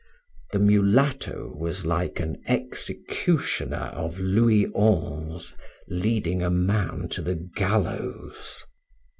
The mulatto was like an executioner of Louis XI. leading a man to the gallows.